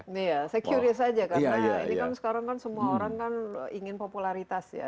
iya securius aja karena ini kan sekarang kan semua orang kan ingin popularitas ya